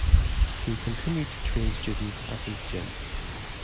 He continued to train students at his gym.